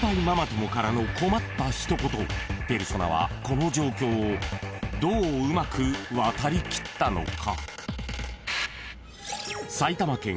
［ペルソナはこの状況をどううまく渡りきったのか？］